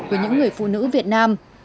của những người phụ nữ việt nam